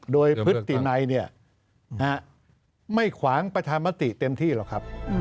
โดยพฤตินัยไม่ขวางประชามติเต็มที่หรอกครับ